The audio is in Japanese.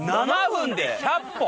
７分で１００本！？